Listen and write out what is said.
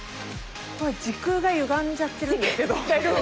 時空がゆがんじゃってるんですけど。